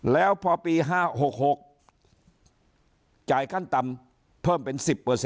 แล้วพอปี๕๖๖จ่ายขั้นต่ำเพิ่มเป็น๑๐